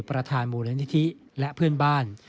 ประธานมูลนิธิและเพื่อนบ้าน